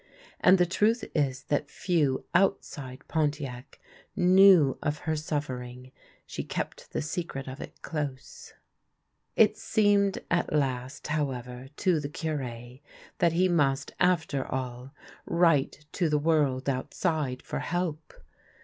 And the truth is that few out side Pontiac knew of her suffering ; she kept the secret of it close. It seemed at last, however, to the Cure that he must, after all, write to the world outside for help.